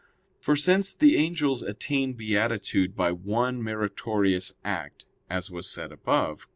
For since the angels attain beatitude by one meritorious act, as was said above (Q.